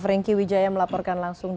franky wijaya melaporkan langsung